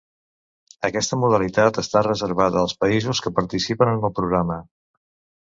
Aquesta modalitat està reservada als països que participen en el programa.